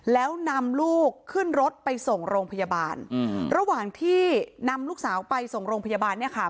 แล้วนำลูกขึ้นรถไปส่งโรงพยาบาลระหว่างที่นำลูกสาวไปส่งโรงพยาบาลเนี่ยค่ะ